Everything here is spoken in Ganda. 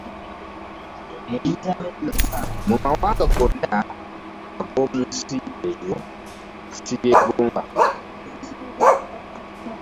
Mu mawanga gonna ag'omunsi, eryo siryegomba.